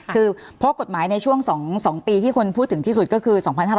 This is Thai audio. คือเพราะกฎหมายในช่วง๒ปีที่คนพูดถึงที่สุดก็คือ๒๕๖๐